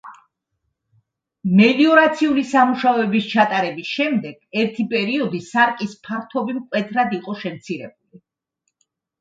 მელიორაციული სამუშაოების ჩატარების შემდეგ, ერთი პერიოდი სარკის ფართობი მკვეთრად იყო შემცირებული.